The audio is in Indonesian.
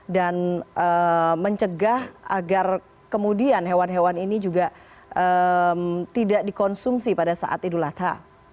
dan mencegah agar kemudian hewan hewan ini juga tidak dikonsumsi pada saat idulata